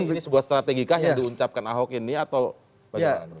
ini sebuah strategi kah yang diuncapkan ahok ini atau bagaimana